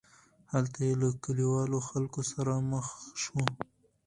هلته یې له کلیوالو خلکو سره مخ شو.